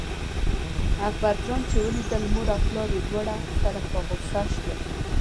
اکبر جان چې ولیدل مور او پلار یې دواړه سره په غوسه شول.